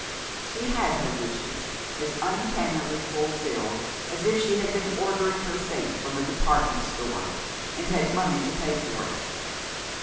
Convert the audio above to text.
She had her wishes, as uncannily fulfilled as if she had been ordering her fate from a department store, and had money to pay for it....